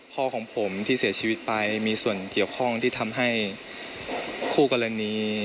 ของผมที่เสียชีวิตไปมีส่วนเกี่ยวข้องที่ทำให้คู่กรณี